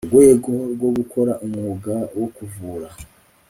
rwego rwo gukora umwuga wo kuvura